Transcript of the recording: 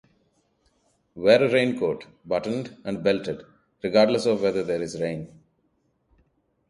Wear a raincoat, buttoned and belted, regardless of whether there is rain.